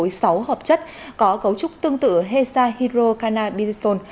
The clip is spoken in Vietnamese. bộ y tế đã phân phối sáu hợp chất có cấu trúc tương tự hesa hydrocanabifol